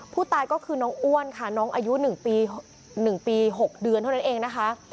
ผู้ตายก็คือน้องอ้วนค่ะน้องอายุ๑ปี๖เดือนเท่านั้นเองนะคะ